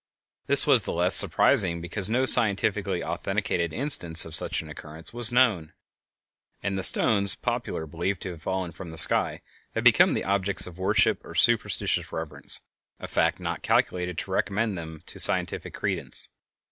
This was the less surprising because no scientifically authenticated instance of such an occurrence was known, and the stones popularly believed to have fallen from the sky had become the objects of worship or superstitious reverence, a fact not calculated to recommend them to scientific credence.